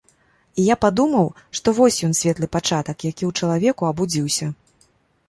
І я падумаў, што вось ён, светлы пачатак, які ў чалавеку абудзіўся.